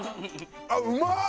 あっうまっ！